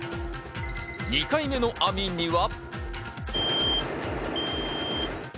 ２回目の網には。